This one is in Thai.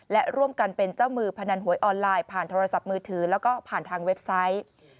และร่วมกันเป็นเจ้ามือพนันหวยออนไลน์ผ่านโทรศัพท์มือถือแล้วก็ผ่านทางเว็บไซต์